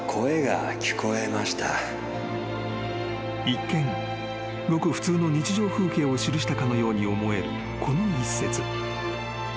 ［一見ごく普通の日常風景を記したかのように思えるこの一節］